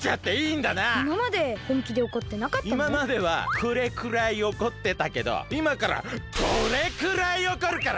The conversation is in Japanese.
いままではこれくらいおこってたけどいまからこれくらいおこるからな！